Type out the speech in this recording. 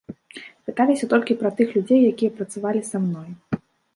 Пыталіся толькі пра тых людзей, якія працавалі са мной.